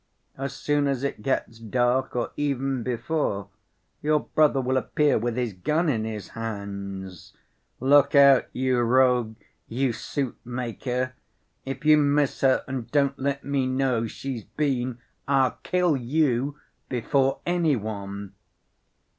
As soon as it gets dark, or even before, your brother will appear with his gun in his hands: 'Look out, you rogue, you soup‐maker. If you miss her and don't let me know she's been—I'll kill you before any one.